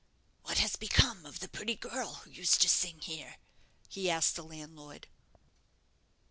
"What has become of the pretty girl who used to sing here?" he asked the landlord.